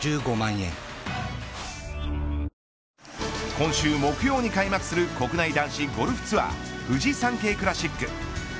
今週木曜に開幕する国内男子ゴルフツアーフジサンケイクラシック。